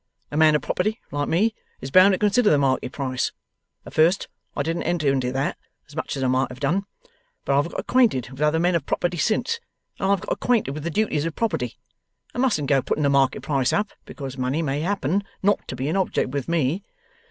A man of property, like me, is bound to consider the market price. At first I didn't enter into that as much as I might have done; but I've got acquainted with other men of property since, and I've got acquainted with the duties of property. I mustn't go putting the market price up, because money may happen not to be an object with me.